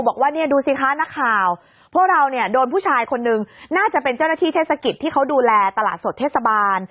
บอกว่าเนี่ยดูสิคะนักข่าวพวกเราเนี่ยโดนผู้ชายคนนึงน่าจะเป็นเจ้าหน้าที่เทศกิจที่เขาดูแลตลาดสดเทศบาล